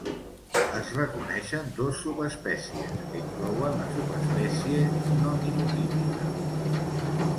Es reconeixen dos subespècies, que inclouen la subespècie nominotípica.